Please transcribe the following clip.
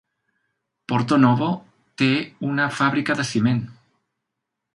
Porto-Novo té una fàbrica de ciment.